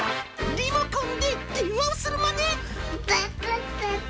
リモコンで、電話をするまね。